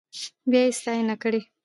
بيا يې ستاينه کړې.